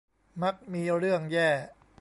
มักมีเรื่องแย่